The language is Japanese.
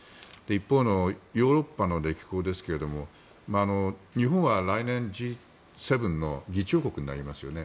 一方のヨーロッパの歴訪ですが日本は来年、Ｇ７の議長国になりますよね。